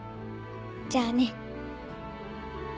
じゃあね。